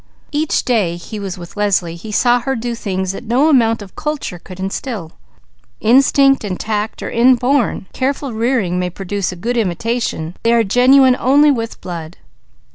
Each day he was with Leslie, he saw her do things that no amount of culture could instil. Instinct and tact are inborn; careful rearing may produce a good imitation, they are genuine only with blood.